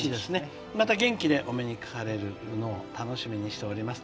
また元気でお目にかかれるのを楽しみにしております。